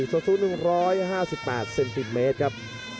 สู้๑๕๘สิมิเมตรครับ